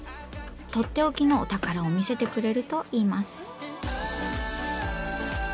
とっておきのお宝を見せてくれるといいます。